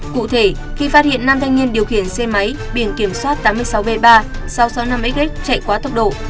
cụ thể khi phát hiện nam thanh niên điều khiển xe máy biển kiểm soát tám mươi sáu b ba sáu trăm sáu mươi năm x chạy quá tốc độ